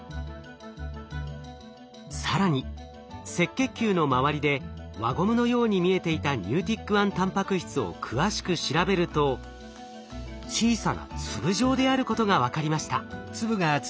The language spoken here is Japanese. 更に赤血球の周りで輪ゴムのように見えていたＮｅｗｔｉｃ１たんぱく質を詳しく調べると小さな粒状であることが分かりました。